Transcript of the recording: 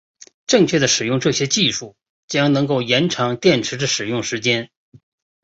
正确的使用这些技术将能够延长电池使用时间。